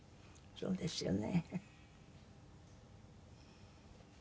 そうですよね。